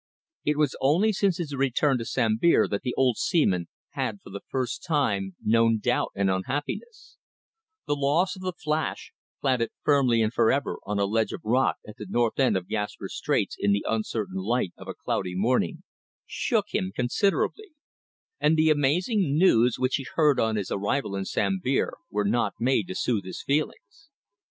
It was only since his return to Sambir that the old seaman had for the first time known doubt and unhappiness, The loss of the Flash planted firmly and for ever on a ledge of rock at the north end of Gaspar Straits in the uncertain light of a cloudy morning shook him considerably; and the amazing news which he heard on his arrival in Sambir were not made to soothe his feelings.